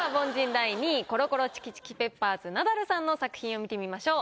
第２位コロコロチキチキペッパーズナダルさんの作品を見てみましょう。